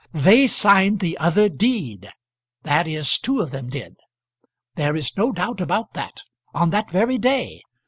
"They signed the other deed; that is two of them did. There is no doubt about that; on that very day.